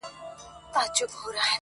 بس که! آسمانه نور یې مه زنګوه٫